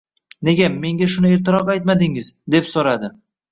Nega, menga shuni ertaroq aytmadingiz, deb so`radi